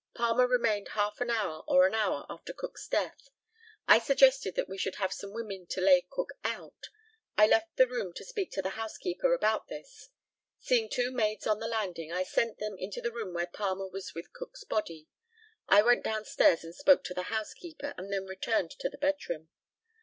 Palmer remained half an hour or an hour after Cook's death. I suggested that we should have some women to lay Cook out. I left the room to speak to the housekeeper about this. Seeing two maids on the landing, I sent them into the room where Palmer was with Cook's body. I went downstairs and spoke to the housekeeper, and then returned to the bedroom.